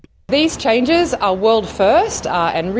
perubahan ini adalah perubahan dunia pertama dan benar benar berdasarkan negara